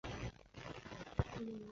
首府帕利尼。